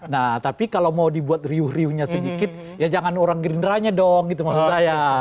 nah tapi kalau mau dibuat riuh riuhnya sedikit ya jangan orang gerindranya dong gitu maksud saya